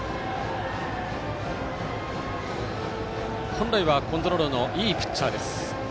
本来はコントロールのいいピッチャーです。